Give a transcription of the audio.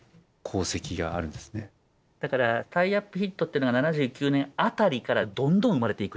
だからタイアップヒットってのが７９年辺りからどんどん生まれていくっていう。